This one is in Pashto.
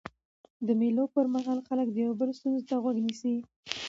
د مېلو پر مهال خلک د یو بل ستونزو ته غوږ نیسي.